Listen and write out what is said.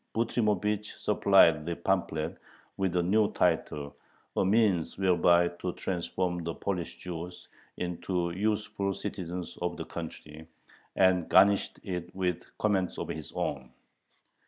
Butrymovich supplied the pamphlet with a new title ("A Means whereby to Transform the Polish Jews into Useful Citizens of the Country"), and garnished it with comments of his own.